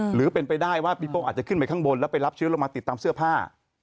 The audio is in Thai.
หรือเป็นไปได้ว่าปีโป้งอาจจะขึ้นไปข้างบนแล้วไปรับเชื้อลงมาติดตามเสื้อผ้า